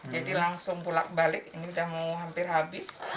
jadi langsung pulak balik ini udah mau hampir habis